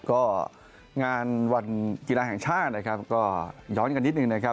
ก็งานวันกีฬาแห่งชาตินะครับก็ย้อนกันนิดนึงนะครับ